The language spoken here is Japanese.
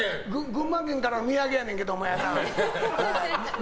群馬県からの土産やねんけどもな